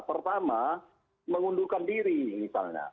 pertama mengundurkan diri misalnya